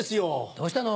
どうしたの？